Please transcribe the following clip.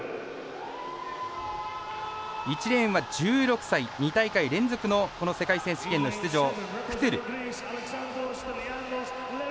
１レーンは１６歳、２大会連続のこの世界選手権の出場、クトゥル。